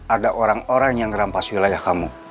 ada orang orang yang rampas wilayah kamu